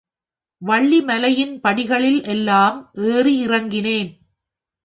வள்ளிமலையின் படிகளில் எல்லாம் ஏறி இறங்கினேன்.